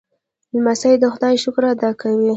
لمسی د خدای شکر ادا کوي.